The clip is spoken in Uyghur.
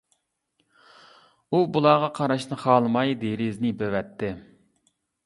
ئۇ بۇلارغا قاراشنى خالىماي دېرىزىنى يېپىۋەتتى.